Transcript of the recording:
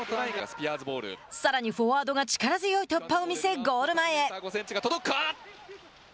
さらにフォワードが力強い突破を見せゴール前へ。